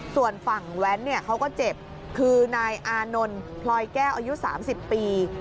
ส่วนฝั่งแว้นเขาก็เจ็บคือนายอานนท์พลอยแก้วอายุ๓๐ปี